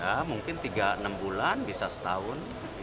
ya mungkin tiga enam bulan bisa setahun